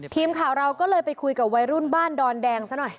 ทีมข่าวเราก็เลยไปคุยกับวัยรุ่นบ้านดอนแดงซะหน่อย